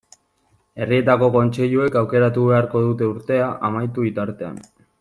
Herrietako kontseiluek aukeratu beharko dute urtea amaitu bitartean.